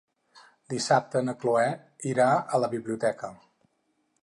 Dissabte na Cloè irà a la biblioteca.